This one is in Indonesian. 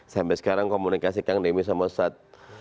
sampai sekarang komunikasi kang demi sama sat